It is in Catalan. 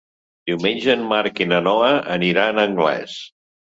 Diumenge en Marc i na Noa aniran a Anglès.